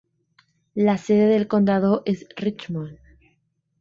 La sede del condado es Richmond.